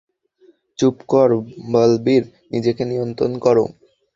চুপ কর বালবীর নিজেকে নিয়ন্ত্রণ করো।